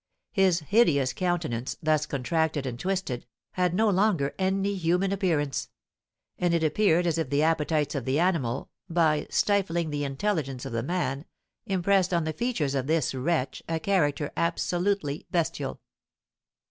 His hideous countenance, thus contracted and twisted, had no longer any human appearance; and it appeared as if the appetites of the animal, by stifling the intelligence of the man, impressed on the features of this wretch a character absolutely bestial.